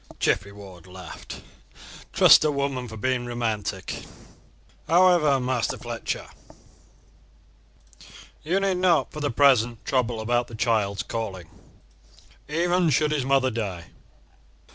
Geoffrey Ward laughed. "Trust a woman for being romantic," he said. "However, Master Fletcher, you need not for the present trouble about the child's calling, even should its mother die.